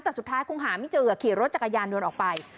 แต่สุดท้ายคงหาไม่เจอขี่รถจักรยานยนต์ออกไป